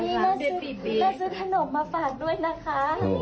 มาซื้อถนกมาฝากด้วยนะคะ